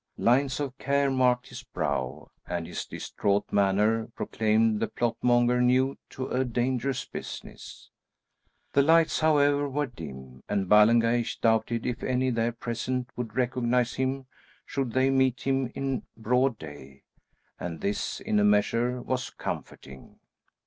Lines of care marked his brow, and his distraught manner proclaimed the plot monger new to a dangerous business. The lights, however, were dim, and Ballengeich doubted if any there present would recognise him should they meet him in broad day, and this, in a measure, was comforting.